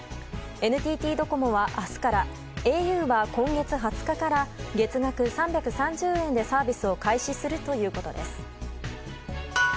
ＮＴＴドコモは明日からａｕは今月２０日から月額３３０円でサービスを開始するということです。